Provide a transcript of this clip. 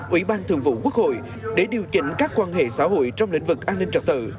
ủy ban thường vụ quốc hội để điều chỉnh các quan hệ xã hội trong lĩnh vực an ninh trật tự